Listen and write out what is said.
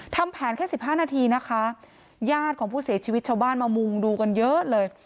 ทำแผนแค่สิบห้านาทีนะคะญาติของผู้เสียชีวิตชาวบ้านมามุงดูกันเยอะเลย